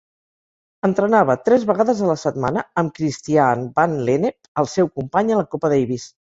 Entrenava tres vegades a la setmana amb Christiaan van Lennep, el seu company a la Copa Davis.